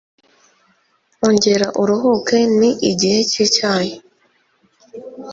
ongera uruhuke, ni igihe cyicyayi